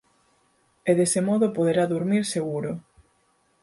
E dese modo poderá durmir seguro.